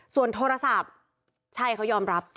ส่วนโทรศัพท์ใช่เขายอมรับ